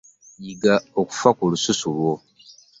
Yiga okufa ku lususu lwo.